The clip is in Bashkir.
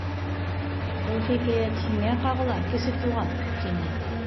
— Был хикәйәт һиңә ҡағыла, Кесе Туған, — тине.